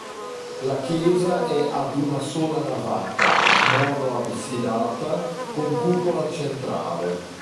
La chiesa è ad una sola navata, mono absidata, con cupola centrale.